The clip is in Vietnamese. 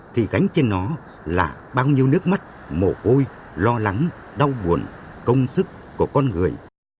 thì gánh trên nó là bao nhiêu nước mắt mổ ôi lo lắng đau buồn công sức của con người